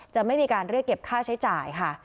จะไม่มีการเรียกเก็บค่าใช้จ่ายค่ะ